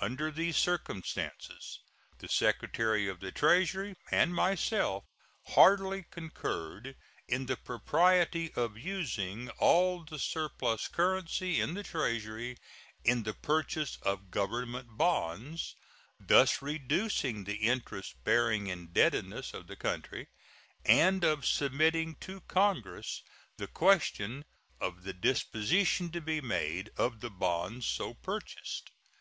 Under these circumstances the Secretary of the Treasury and myself heartily concurred in the propriety of using all the surplus currency in the Treasury in the purchase of Government bonds, thus reducing the interest bearing indebtedness of the country, and of submitting to Congress the question of the disposition to be made of the bonds so purchased.